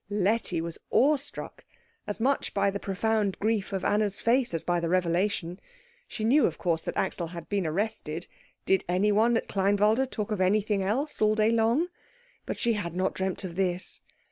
Letty was awestruck, as much by the profound grief of Anna's face as by the revelation. She knew of course that Axel had been arrested did anyone at Kleinwalde talk of anything else all day long? but she had not dreamt of this.